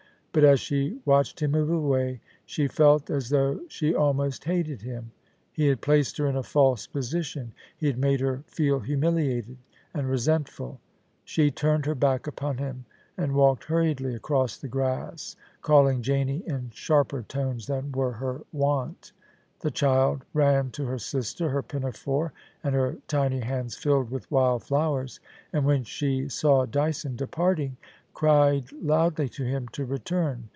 But, as she watched him move away, she felt as though she almost hated him. He had placed her in a false position. He had made her feel humiliated and resentful She turned her back upon him, and walked hurriedly across the grass, calling Janie in sharper tones than were her wont The child ran to her sister, her pinafore and her tiny hands filled with wild flowers, and when she saw Dyson departing, cried loudly to him to return.